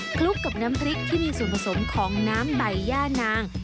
คลุกกับน้ำพริกที่มีส่วนผสมของน้ำใบย่านาง